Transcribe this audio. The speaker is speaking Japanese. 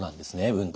運動。